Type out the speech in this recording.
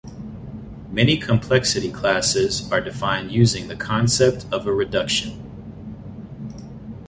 Many complexity classes are defined using the concept of a reduction.